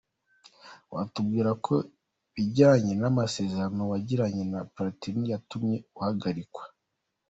Watubwira ku bijyanye n’amasezerano wagiranye na Platini yatumye uhagarikwa?.